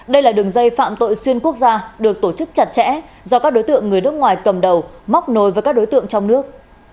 đây là đường dây phạm tội xuyên quốc gia được tổ chức chặt chẽ do các đối tượng người nước ngoài cầm đầu móc nối với các đối tượng trong nước